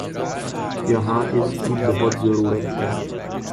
یہاں اس کی بہت ضرورت ہے۔